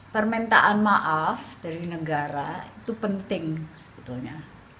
permintaan maaf dari negara itu penting sebetulnya